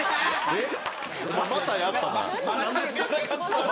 えっ？